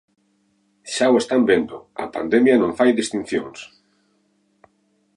Xa o están vendo: a pandemia non fai distincións.